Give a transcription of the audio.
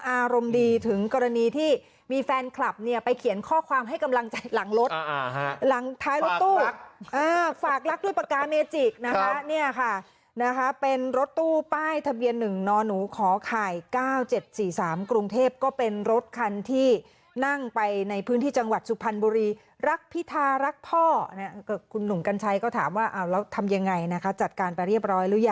อารมณ์ดีถึงกรณีที่มีแฟนคลับเนี่ยไปเขียนข้อความให้กำลังใจหลังรถหลังท้ายรถตู้ฝากรักด้วยปากกาเมจิกนะคะเนี่ยค่ะนะคะเป็นรถตู้ป้ายทะเบียน๑นหนูขอไข่๙๗๔๓กรุงเทพก็เป็นรถคันที่นั่งไปในพื้นที่จังหวัดสุพรรณบุรีรักพิธารักพ่อเนี่ยคุณหนุ่มกัญชัยก็ถามว่าเอาแล้วทำยังไงนะคะจัดการไปเรียบร้อยหรือยัง